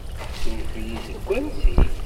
Suref-iyi, seg wansi-k?